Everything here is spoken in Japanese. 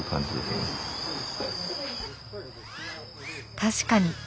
確かに。